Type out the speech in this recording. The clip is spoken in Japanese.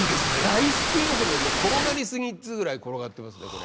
大スピンオフで転がり過ぎっつうぐらい転がってますねこれ。